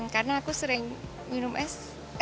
karena aku sering minum es